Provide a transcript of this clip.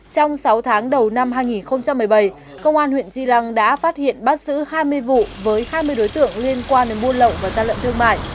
trong sáu tháng đầu năm hai nghìn một mươi bảy công an huyện tri lăng đã phát hiện bắt giữ hai mươi vụ với hai mươi đối tượng liên quan đến buôn lậu và gian lận thương mại